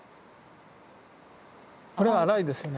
これは粗いですよね。